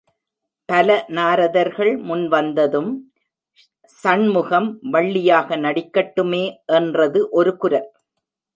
பல நாரதர்கள் முன் வந்ததும், சண்முகம் வள்ளியாக நடிக்கட்டுமே என்றது ஒரு குரல்.